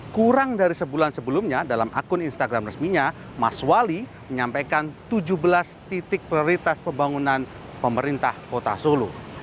kurang dari sebulan sebelumnya dalam akun instagram resminya mas wali menyampaikan tujuh belas titik prioritas pembangunan pemerintah kota solo